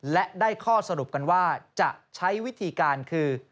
และได้ข้อสรุปกันว่าจะใช้วิธีการคือ